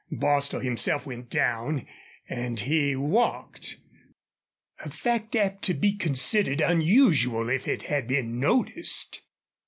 Bostil himself went down, and he walked a fact apt to be considered unusual if it had been noticed.